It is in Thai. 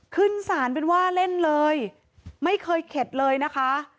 ขึ้นศาลเป็นว่าเล่นเลยไม่เคยเข็ดเลยนะคะ